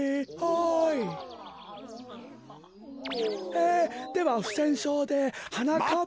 えではふせんしょうではなかっぱ。